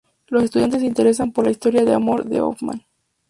Los estudiantes se interesan por las historias de amor de Hoffmann.